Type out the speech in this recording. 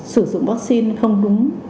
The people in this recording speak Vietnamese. sử dụng vaccine không đúng